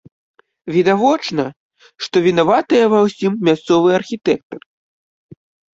Відавочна, што вінаватыя ва ўсім мясцовыя архітэктары.